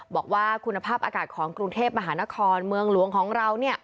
บอกว่าคุณภาพอากาศของกรุงเทพมหานครเมืองหลวงของเรา